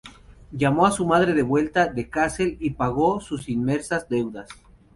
Llamó a su madre de vuelta de Kassel y pagó sus inmensas deudas.